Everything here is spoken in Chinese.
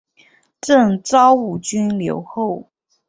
赠昭武军留后。